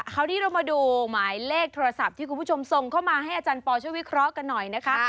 คราวนี้เรามาดูหมายเลขโทรศัพท์ที่คุณผู้ชมส่งเข้ามาให้อาจารย์ปอช่วยวิเคราะห์กันหน่อยนะคะ